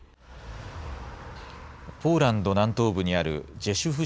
ポーランド南東部にあるジェシュフ